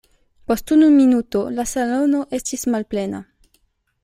Post unu minuto la salono estis malplena.